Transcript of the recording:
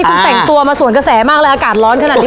คุณแต่งตัวมาสวนกระแสมากเลยอากาศร้อนขนาดนี้